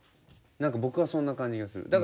なんか僕はそんな感じがする。